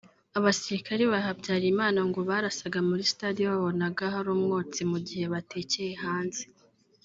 Abasirikare ba Habyarimana ngo barasaga muri stade iyo babonaga hari umwotsi mu gihe batekeye hanze